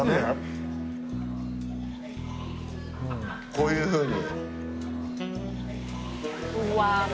こういうふうに。